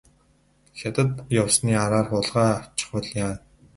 Хятад явсны араар хулгай авчихвал яана.